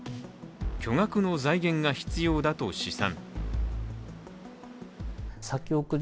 巨額の財源が必要だと試算。